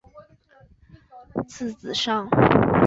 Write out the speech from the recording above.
字子上。